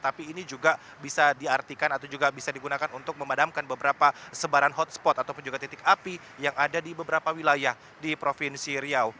tapi ini juga bisa diartikan atau juga bisa digunakan untuk memadamkan beberapa sebaran hotspot ataupun juga titik api yang ada di beberapa wilayah di provinsi riau